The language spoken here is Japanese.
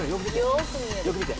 よーく見て。